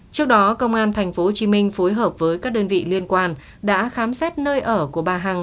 trước đó công an tp hcm phối hợp với các đơn vị liên quan đã khám xét nơi ở của bà hằng